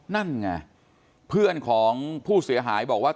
นั่นไงเพื่อนของผู้เสียหายบอกว่า